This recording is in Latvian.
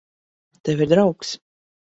Tev ir draugs.